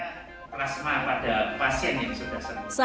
hingga plasma pada pasien yang sudah sedang